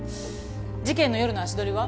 事件の夜の足取りは？